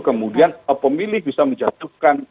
kemudian pemilih bisa menjatuhkan